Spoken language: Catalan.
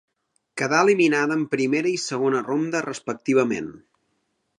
Quedà eliminada en primera i segona ronda respectivament.